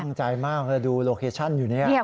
ตั้งใจมากแล้วดูโลเคชั่นอยู่เนี่ย